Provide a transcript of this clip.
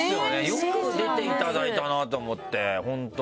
よく出ていただいたなと思って本当。